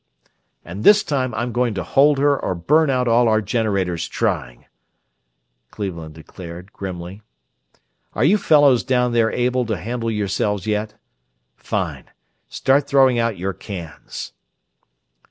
"And this time I'm going to hold her or burn out all our generators trying," Cleveland declared, grimly. "Are you fellows down there able to handle yourselves yet? Fine! Start throwing out your cans!"